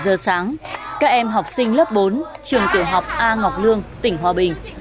ba giờ sáng các em học sinh lớp bốn trường tiểu học a ngọc lương tỉnh hòa bình